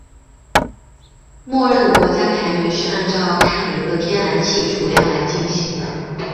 默认的国家排名是按照探明的天然气储量来进行的。